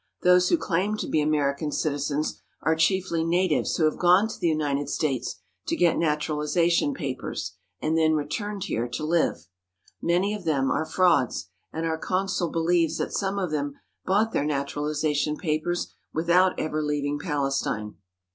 Those who claim to be American citizens are chiefly natives who have gone to the United States to get naturalization papers, and then returned here to live. Many of them are frauds, and our consul believes that some of them bought their naturalization papers without ever leaving Palestine.